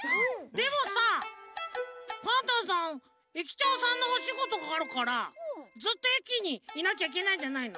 でもさパンタンさん駅長さんのおしごとがあるからずっと駅にいなきゃいけないんじゃないの？